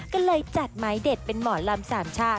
ก็เลยจัดไม้เด็ดเป็นหมอลำสามชา